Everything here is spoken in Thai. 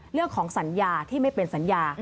เรื่องของสัญญาที่ไม่เป็นสัญญา